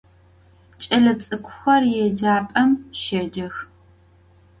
Ç'elets'ık'uxer yêcap'em şêcex.